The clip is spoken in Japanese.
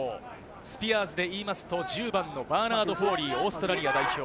スピアーズでいいますと１０番のバーナード・フォーリー、オーストラリア代表。